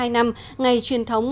sáu mươi hai năm ngày truyền thống